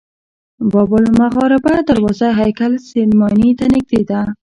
باب المغاربه دروازه هیکل سلیماني ته نږدې ده.